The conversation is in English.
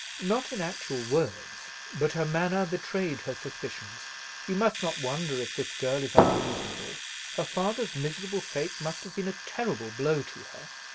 "Not in actual words. But her manner betrayed her suspicions. You must not wonder if this girl is unreasonable. Her father's miserable fate must have been a terrible blow to her."